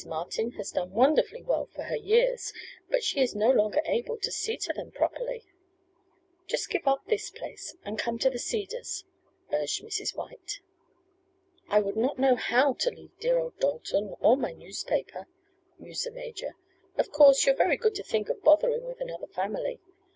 Martin has done wonderfully well for her years, but she is no longer able to see to them properly. Just give up this place and come to the Cedars," urged Mrs. White. "I would not know how to leave dear old Dalton or my newspaper," mused the major. "Of course you are very good to think of bothering with another family.